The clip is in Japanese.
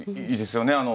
いいですよね。